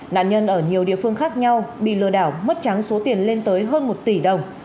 nạn nhân ở nhiều địa phương khác nhau bị lừa đảo mất trắng số tiền lên tới hơn một tỷ đồng